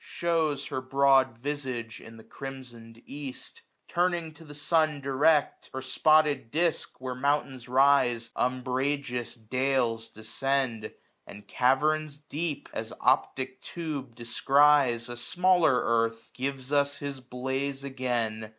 Shews her broad visage in the crimson'd east ; Turn'd to the sun direct, her spotted disk. Where mountains rise, umbrageous dales descend. And caverns deep, as optic tube descries, 1091 A smaller earth, gives us his blaze again.